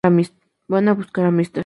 Van a buscar a Mr.